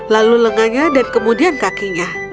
lalu lengahnya dan kemudian kakinya